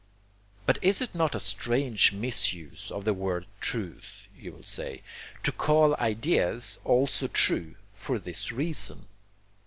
But is it not a strange misuse of the word 'truth,' you will say, to call ideas also 'true' for this reason?